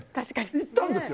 行ったんですよ。